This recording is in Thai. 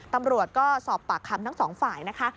ตำรวจก็สอบปากคำทั้งสองฝ่ายนะคะ